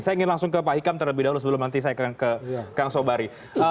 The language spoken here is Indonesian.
saya ingin langsung ke pak hikam terlebih dahulu sebelum nanti saya akan ke kang sobari